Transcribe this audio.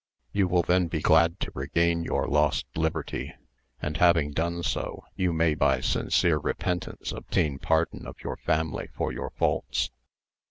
You will then be glad to regain your lost liberty, and having done so, you may by sincere repentance obtain pardon of your family for your faults.